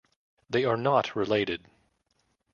They are not related.